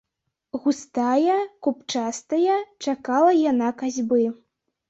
Густая, купчастая, чакала яна касьбы.